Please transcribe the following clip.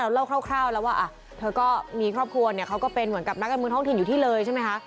เล่าคร่าวแล้วว่าเธอก็มีครอบครัวเนี่ยเขาก็เป็นเหมือนกับนักการเมืองท้องถิ่นอยู่ที่เลยใช่ไหมคะ